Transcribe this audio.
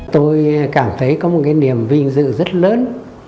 tôi cảm thấy có một cái niềm vinh dự rất lớn